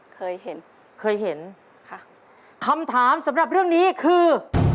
เคยเห็นเคยเห็นค่ะคำถามสำหรับเรื่องนี้คือ